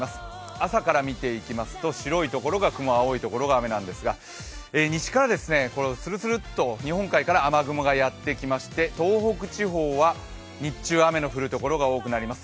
朝かは見ていきますと白いところが雲、青いところが雨なんですが西からするするっと日本海から雨雲がやってきまして東北地方は日中、雨の降るところが多くなります。